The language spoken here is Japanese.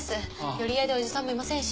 寄り合いでおじさんもいませんし。